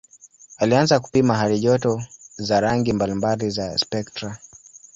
Alianza kupima halijoto za rangi mbalimbali za spektra.